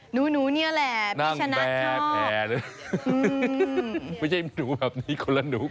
หนูหนูนี่แหละพี่ชะนัดชอบนั่งแบบแผ่ไม่ใช่หนูแบบนี้คนละหนู